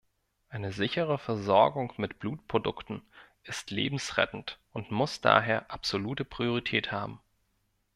Eine sichere Versorgung mit Blutprodukten ist lebensrettend und muss daher absolute Priorität haben!